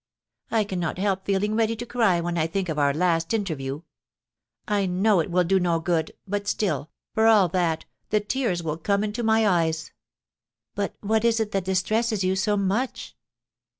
I cannot help feeling ready to cry when I think of our last interview. I know it will do no good, but still, for all that, the tears will come into my eyes." "But what is it that distresses you so much?"